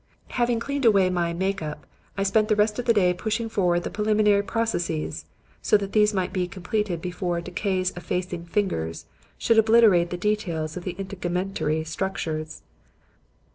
"Having cleaned away my 'make up,' I spent the rest of the day pushing forward the preliminary processes so that these might be completed before 'decay's effacing fingers' should obliterate the details of the integumentary structures.